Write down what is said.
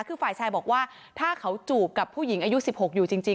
คือฝ่ายชายบอกว่าถ้าเขาจูบกับผู้หญิงอายุ๑๖อยู่จริง